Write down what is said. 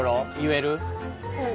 うん。